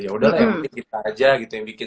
ya udahlah bikin kita aja gitu yang bikin